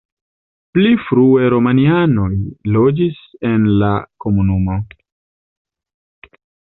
Pli frue romianoj loĝis en la komunumo.